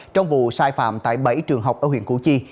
trong vụ sai phạm tại bảy trường học ở huyện củ chi